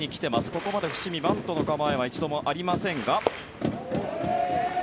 ここまで伏見、バントの構えは一度もありませんが。